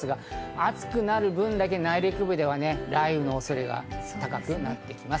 暑くなる分だけ内陸部では雷雨の恐れが高くなってきます。